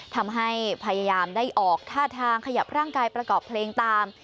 ทำให้พยายามได้ออกท่าทางขยับร่างกายประกอบเพลงตาม